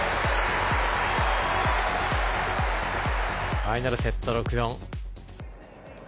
ファイナルセット、６−４。